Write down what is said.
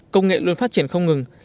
công nghệ luôn phát triển không ngừng